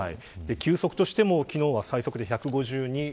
球速としても昨日最速で１５２キロ。